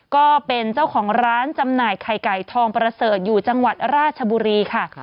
ก็เป็นเจ้าของร้านจำหน่ายไข่ไก่ทองประเสริฐอยู่จังหวัดราชบุรีค่ะ